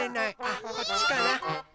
あっこっちかな。